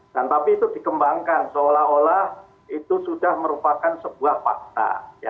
dan tapi itu dikembangkan seolah olah itu sudah merupakan sebuah fakta